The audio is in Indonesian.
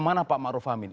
bapak ma'ruf amin